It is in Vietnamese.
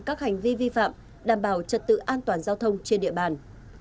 các hành vi vi phạm đảm bảo trật tự an toàn giao thông trên địa bàn